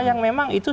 yang memang itu